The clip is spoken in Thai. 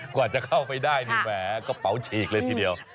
กว่าจะเข้าไปได้นี่แหมกระเป๋าฉีกเลยทีเดียว